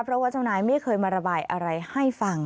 เพราะว่าเจ้านายไม่เคยมาระบายอะไรให้ฟัง